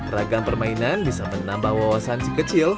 ragam permainan bisa menambah wawasan si kecil